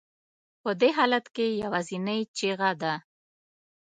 په دې حالت کې یوازینۍ چیغه ده.